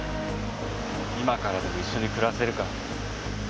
「今からでも一緒に暮らせるか」